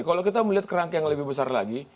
kalau kita melihat kerangka yang lebih besar lagi